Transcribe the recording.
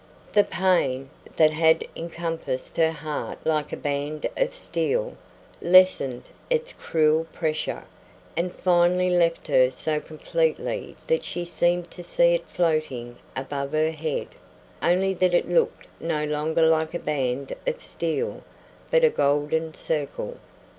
The pain, that had encompassed her heart like a band of steel, lessened its cruel pressure, and finally left her so completely that she seemed to see it floating above her head; only that it looked no longer like a band of steel, but a golden circle.